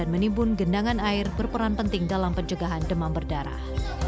menimbulkan peran penting dalam penjagaan demam berdarah